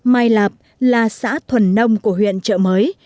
mai lạc là xã thuần nông của huyện trợ mới